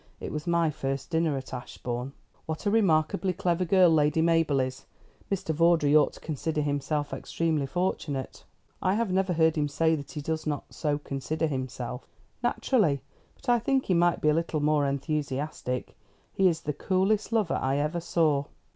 It was my first dinner at Ashbourne." "What a remarkably clever girl Lady Mabel is. Mr. Vawdrey ought to consider himself extremely fortunate." "I have never heard him say that he does not so consider himself." "Naturally. But I think he might be a little more enthusiastic. He is the coolest lover I ever saw."